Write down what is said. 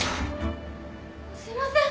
・すいません！